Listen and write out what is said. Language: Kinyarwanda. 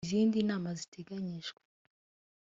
izindi nama ziteganyijwe